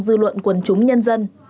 dư luận quần chúng nhân dân